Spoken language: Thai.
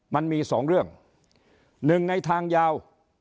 มันมีสองเรื่องหนึ่งในทางยาว